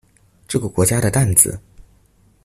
這個國家的擔子